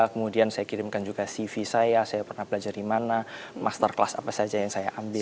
kemudian saya kirimkan juga cv saya saya pernah belajar di mana master kelas apa saja yang saya ambil